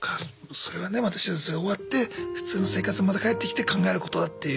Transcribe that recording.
それはねまた手術が終わって普通の生活にまた帰ってきて考えることだっていう。